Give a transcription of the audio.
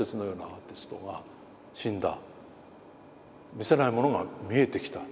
見せないものが見えてきた。